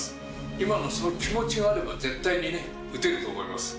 今のその気持ちがあれば絶対にね、打てると思います。